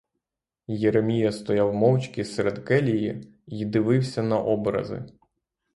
Єремія стояв мовчки серед келії й дивився на образи.